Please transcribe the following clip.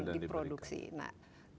diproduksi masal dan diberikan